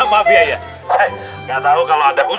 gak tau kalau ada mutas